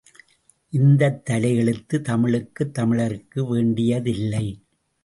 இந்தத் தலையெழுத்து தமிழுக்கு தமிழர்க்கு வேண்டியதில்லை.